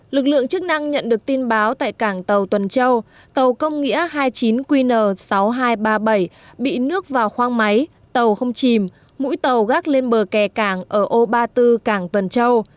lực lượng chức năng nhận được tin báo tại cảng tàu tuần châu tàu công nghĩa hai mươi chín qn sáu nghìn hai trăm ba mươi bảy bị nước vào khoang máy tàu không chìm mũi tàu gác lên bờ kè cảng ở ô ba mươi bốn cảng tuần châu